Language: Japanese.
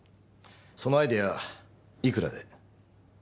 そのアイデアいくらで？